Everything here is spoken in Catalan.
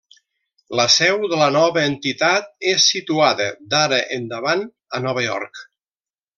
La seu de la nova entitat és situada d'ara endavant a Nova York.